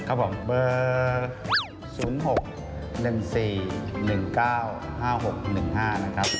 ครับผมเบอร์๐๖๑๔๑๙๕๖๑๕นะครับ